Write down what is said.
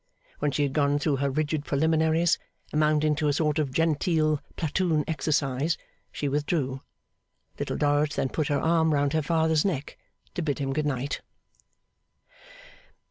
When she had gone through her rigid preliminaries, amounting to a sort of genteel platoon exercise, she withdrew. Little Dorrit then put her arm round her father's neck, to bid him good night.